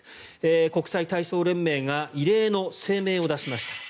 国際体操連盟が異例の声明を出しました。